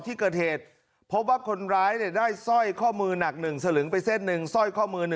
ที่เกิดเหตุเพราะว่าคนร้ายได้ซ่อยข้อมือหนัก๑สลึงไปเส้น๑ซ่อยข้อมือ๑